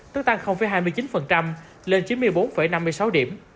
tức tăng hai mươi chín lên chín mươi bốn năm mươi sáu điểm